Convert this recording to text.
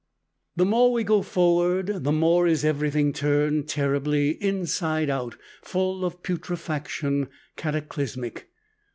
The more we go forward, the more is everything turned terribly inside out, full of putrefaction, cataclysmic.